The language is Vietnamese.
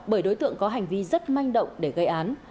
bởi đối tượng có hành vi rất manh động để gây án